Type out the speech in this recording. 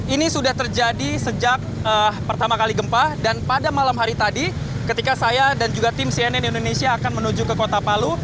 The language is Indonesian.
ini sudah terjadi sejak pertama kali gempa dan pada malam hari tadi ketika saya dan juga tim cnn indonesia akan menuju ke kota palu